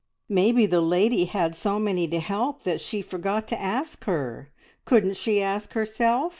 "Maybe the lady had so many to help that she forgot to ask her. Couldn't she ask herself?